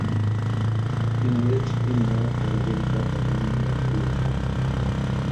Heinrich Himmler est le véritable gagnant de la purge.